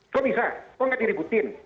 kok bisa kok nggak diributin